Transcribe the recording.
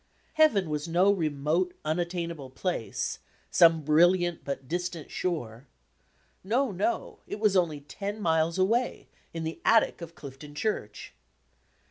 Heaven was no remote, unattainable place "some bril liant but distant shore." No, no! It was only ten miles away, in the attic of Clifton Church!